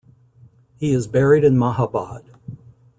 He is buried in Mahabad.